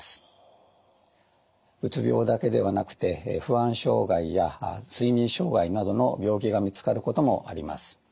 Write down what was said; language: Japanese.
うつ病だけではなくて不安障害や睡眠障害などの病気が見つかることもあります。